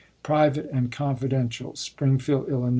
(Private and confidential.) Springfield, III.